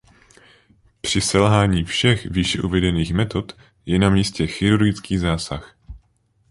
Při selhání všech výše uvedených metod je na místě chirurgický zásah.